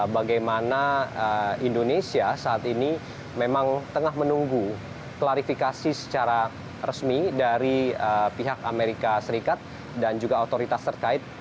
bagaimana indonesia saat ini memang tengah menunggu klarifikasi secara resmi dari pihak amerika serikat dan juga otoritas terkait